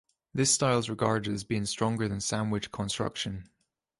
This style is regarded as being stronger than sandwich construction.